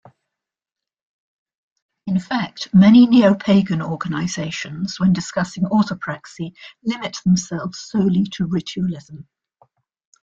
In fact, many Neopagan organizations, when discussing orthopraxy, limit themselves solely to ritualism.